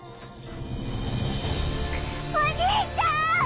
お兄ちゃん！